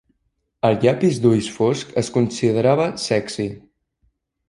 El llapis d'ulls fosc es considerava sexi.